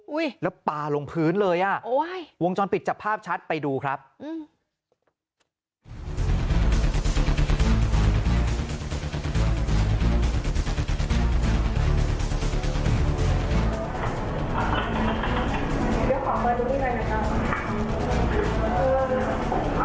แล้วปลาลงพื้นเลยอ่ะโอ้ยวงจรปิดจับภาพชัดไปดูครับอืม